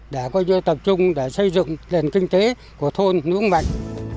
đã coi như tập trung để xây dựng lền kinh tế của thôn nướng mạnh